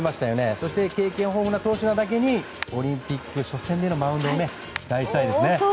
そして、経験豊富な投手なだけにオリンピック初戦でのマウンドも期待したいですね。